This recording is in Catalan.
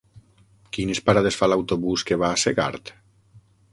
Quines parades fa l'autobús que va a Segart?